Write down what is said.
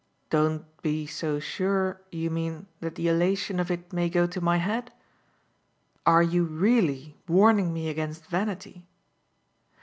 "Don't be so sure, you mean, that the elation of it may go to my head? Are you really warning me against vanity?"